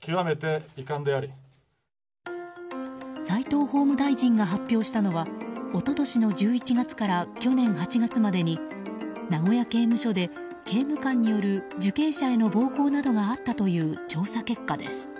齋藤法務大臣が発表したのは一昨年の１１月から去年８月までに名古屋刑務所で刑務官による受刑者への暴行などがあったという調査結果です。